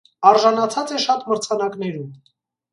Արժանացած է շատ մրցանակներու։